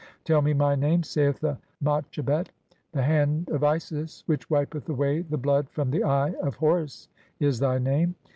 "Tell me (21) my name," saith the Matchabet ; "The hand "of Isis, which wipeth away the blood from the (22) Eye of "Horus," is thy name.